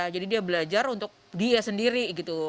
jadi dia belajar untuk dia sendiri gitu